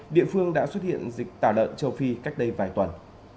địa phương đã xuất hiện dịch tả lợn châu phi cách đây vài tuần